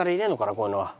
こういうのは。